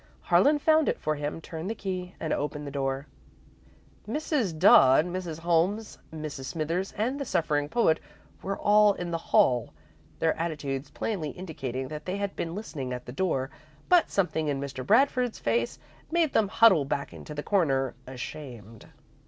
Harlan found it for him, turned the key, and opened the door. Mrs. Dodd, Mrs. Holmes, Mrs. Smithers, and the suffering poet were all in the hall, their attitudes plainly indicating that they had been listening at the door, but something in Mr. Bradford's face made them huddle back into the corner, ashamed.